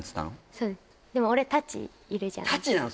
そうですでも「俺達いるじゃん」「達」なの？